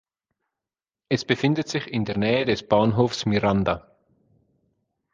Es befindet sich in der Nähe des Bahnhofs Miranda.